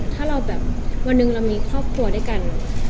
ถ้าเราแบบวันหนึ่งเรามีครอบครัวด้วยกัน